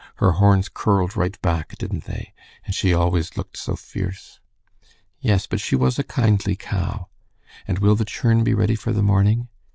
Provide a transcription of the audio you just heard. Her horns curled right back, didn't they? And she always looked so fierce." "Yes, but she was a kindly cow. And will the churn be ready for the morning?"